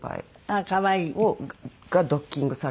あら可愛い。がドッキングされた。